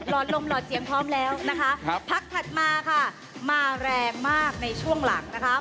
อดลมหลอดเสียงพร้อมแล้วนะคะครับพักถัดมาค่ะมาแรงมากในช่วงหลังนะคะ